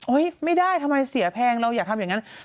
ไม่ได้ทำไมเสียแพงเราอยากทำอย่างนั้น